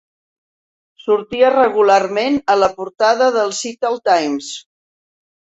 Sortia regularment a la portada del 'Seattle Times'.